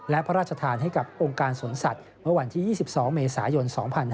และพระราชทานให้กับองค์การสวนสัตว์เมื่อวันที่๒๒เมษายน๒๕๕๙